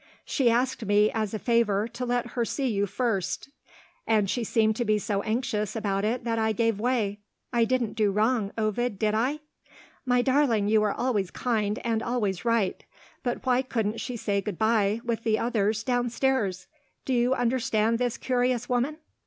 "She asked me, as a favour, to let her see you first; and she seemed to be so anxious about it that I gave way. I didn't do wrong, Ovid did I?" "My darling, you are always kind, and always right! But why couldn't she say good bye (with the others) downstairs? Do you understand this curious woman?"